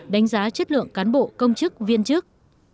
đánh giá chất lượng cán bộ công chức viên chức